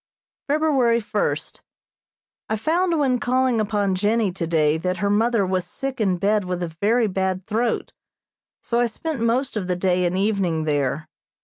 February first: I found when calling upon Jennie today that her mother was sick in bed with a very bad throat, so I spent most of the day and evening there.